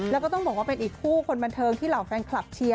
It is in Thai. แล้วก็ต้องบอกว่าเป็นอีกคู่คนบันเทิงที่เหล่าแฟนคลับเชียร์